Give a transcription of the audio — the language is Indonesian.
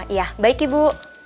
iya baik ibu